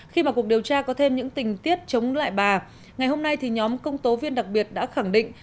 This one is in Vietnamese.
khi mà cuộc điều tra có thêm những tình tiết chống lại bà ngày hôm nay thì nhóm công tố viên đặc biệt đã khẳng định